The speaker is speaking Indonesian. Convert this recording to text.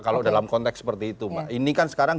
kalau dalam konteks seperti itu mbak ini kan sekarang